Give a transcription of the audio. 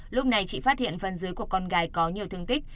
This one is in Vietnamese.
lúc này chị phát hiện phần dưới của con gái có nhiều thương tích